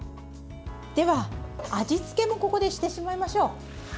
では、味付けもここでしてしまいましょう。